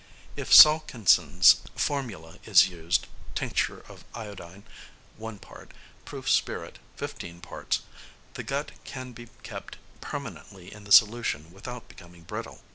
If Salkindsohn's formula is used tincture of iodine, 1 part; proof spirit, 15 parts the gut can be kept permanently in the solution without becoming brittle.